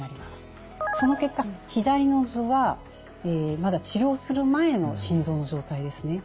その結果左の図はまだ治療する前の心臓の状態ですね。